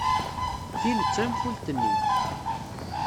Tin d tanfult-nni.